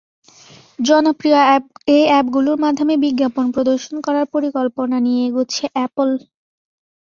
জনপ্রিয় এ অ্যাপগুলোর মাধ্যমে বিজ্ঞাপন প্রদর্শন করার পরিকল্পনা নিয়ে এগোচ্ছে অ্যাপল।